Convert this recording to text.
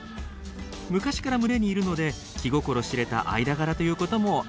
昔から群れにいるので気心知れた間柄ということもあるでしょう。